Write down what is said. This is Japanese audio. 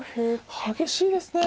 激しいですね。